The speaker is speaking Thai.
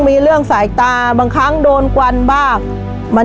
ชีวิตหนูเกิดมาเนี่ยอยู่กับดิน